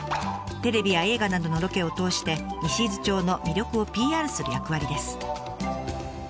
テレビや映画などのロケを通して西伊豆町の魅力をＰＲする役割です。